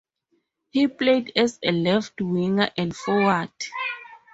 He played as a left winger and forward.